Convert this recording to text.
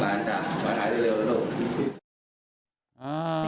บ้านจ๊ะมาท้ายเร็ว